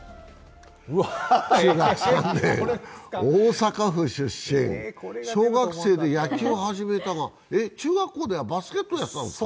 中学３年、大阪府出身、小学生で野球を始めたが中学校ではバスケットでしたか？